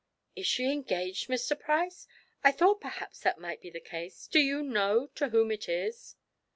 "Is she engaged, Mr. Price? I thought perhaps that might be the case. Do you know to whom it is?"